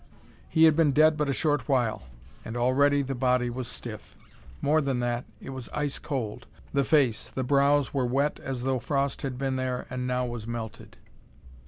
He had been dead but a short while, and already the body was stiff. More than that, it was ice cold. The face, the brows were wet as though frost had been there and now was melted!